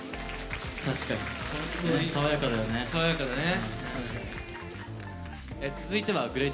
確かに爽やかだよね。